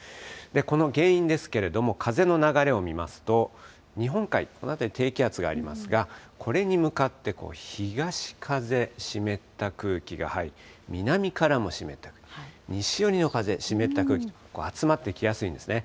この原因ですけれども、風の流れを見ますと、日本海、この辺り低気圧がありますが、これに向かって東風、湿った空気が入り、南からも湿った空気、西寄りの風、湿った空気と、集まってきやすいんですね。